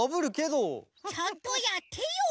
ちゃんとやってよ！